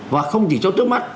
và không chỉ cho trước mắt